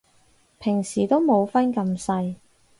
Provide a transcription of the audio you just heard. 平時都冇分咁細